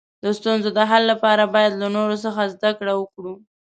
د ستونزو د حل لپاره باید له نورو څخه زده کړه وکړو.